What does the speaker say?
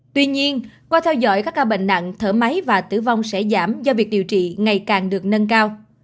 tuy nhiên qua theo dõi các ca bệnh nặng thở máy và tử vong sẽ giảm do việc điều trị ngày càng được nâng cao